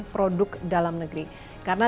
produk dalam negeri karena